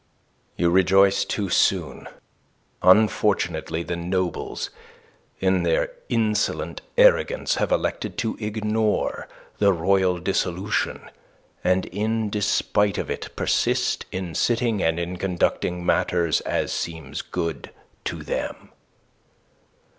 "You rejoice too soon. Unfortunately, the nobles, in their insolent arrogance, have elected to ignore the royal dissolution, and in despite of it persist in sitting and in conducting matters as seems good to them."